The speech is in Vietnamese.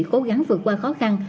cố gắng vượt qua khó khăn